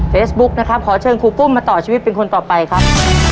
นะครับขอเชิญครูปุ้มมาต่อชีวิตเป็นคนต่อไปครับ